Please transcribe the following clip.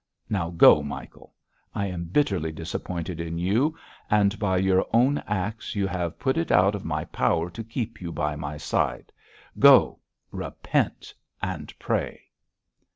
Now go, Michael. I am bitterly disappointed in you; and by your own acts you have put it out of my power to keep you by my side. Go! Repent and pray.'